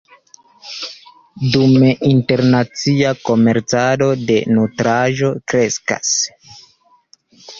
Dume, internacia komercado de nutraĵoj kreskas.